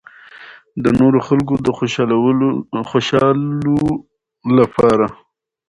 د نورو خلکو د خوشالو د پاره